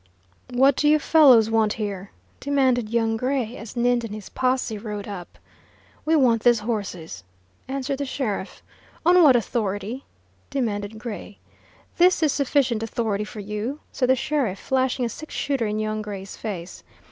"What do you fellows want here?" demanded young Gray, as Ninde and his posse rode up. "We want these horses," answered the sheriff. "On what authority?" demanded Gray. "This is sufficient authority for you," said the sheriff, flashing a six shooter in young Gray's face.